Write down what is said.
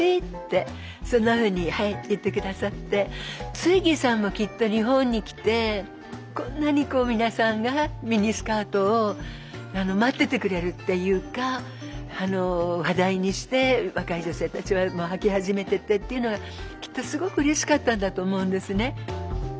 ツイッギーさんもきっと日本に来てこんなに皆さんがミニスカートを待っててくれるっていうか話題にして若い女性たちもはき始めてっていうのがきっとすごくうれしかったんだと思うんですね。